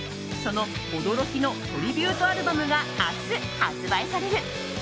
その驚きのトリビュートアルバムが明日、発売される。